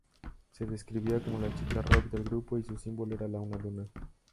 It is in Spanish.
Se describía como la chica rock del grupo y su símbolo era una Luna.